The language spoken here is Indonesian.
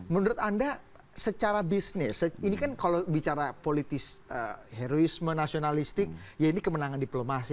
menurut anda secara bisnis ini kan kalau bicara politis heroisme nasionalistik ya ini kemenangan diplomasi